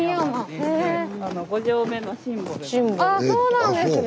あそうなんですね。